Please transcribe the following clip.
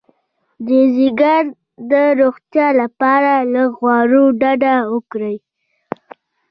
د ځیګر د روغتیا لپاره له غوړو ډډه وکړئ